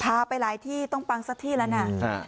พาไปหลายที่ต้องปังสักที่แล้วนะ